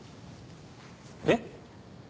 えっ！？